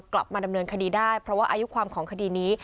กลับมาดำเนินคดีได้เพราะว่าอายุความของคดีนี้